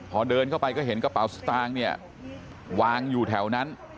พอเดินเข้าไปก็เห็นกระเป๋าสตางค์เนี่ยวางอยู่แถวนั้น